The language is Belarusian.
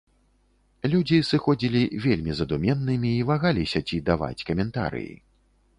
Людзі сыходзілі вельмі задуменнымі і вагаліся, ці даваць каментарыі.